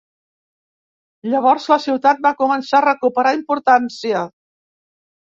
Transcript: Llavors la ciutat va començar a recuperar importància.